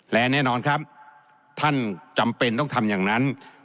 และแน่นอนครับท่านจำเป็นต้องทำอย่างนั้น